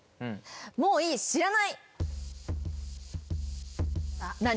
「もういい知らない！」何？